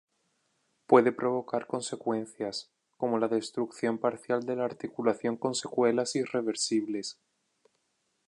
Puede provocar graves consecuencias, como la destrucción parcial de la articulación con secuelas irreversibles.